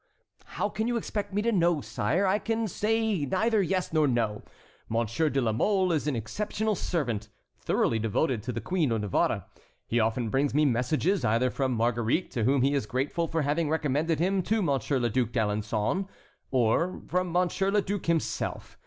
"How can you expect me to know, sire? I can say neither yes nor no. Monsieur de la Mole is an exceptional servant, thoroughly devoted to the Queen of Navarre. He often brings me messages, either from Marguerite, to whom he is grateful for having recommended him to Monsieur le Duc d'Alençon, or from Monsieur le Duc himself.